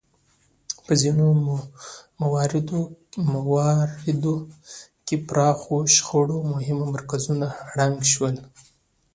په ځینو مواردو کې پراخو شخړو مهم مرکزونه ړنګ شول.